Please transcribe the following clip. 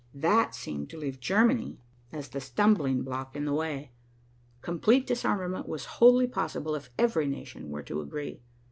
That seemed to leave Germany as the stumbling block in the way. Complete disarmament was wholly possible if every nation were to agree.